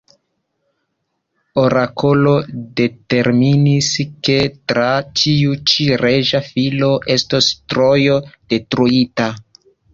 Orakolo determinis, ke tra tiu ĉi reĝa filo estos Trojo detruita.